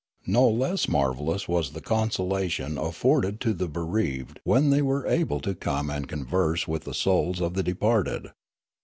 No less marvellous was the consolation ajGforded to the bereaved when they were able to come and converse with the souls of the de parted.